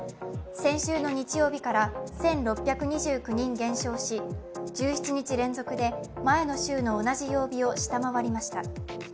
先週の日曜日から１６２９人減少し、１７日連続で前の週の同じ曜日を下回りました。